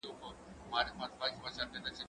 زه کولای سم سبزیحات تيار کړم؟!